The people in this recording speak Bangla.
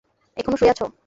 এখনও শুয়ে আছ?